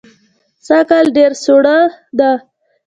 سږ کال ډېره سوکړه ده